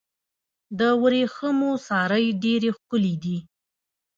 د ورېښمو سارۍ ډیرې ښکلې دي.